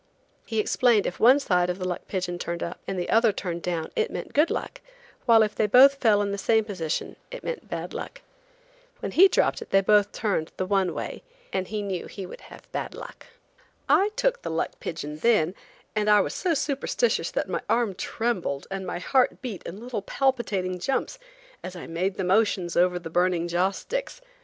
He explained if one side of the luck pigeon turned up and the other turned down it meant good luck, while if they both fell in the same position it meant bad luck. When he dropped it they both turned the one way, and he knew he would have bad luck. I took the luck pigeon then, and I was so superstitious that my arm trembled and my heart beat in little palpitating jumps as I made the motions over the burning joss sticks.